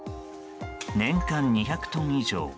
年間２００トン以上。